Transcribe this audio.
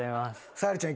沙莉ちゃん。